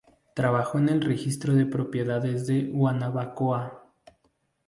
Trabajó en el Registro de Propiedades de Guanabacoa.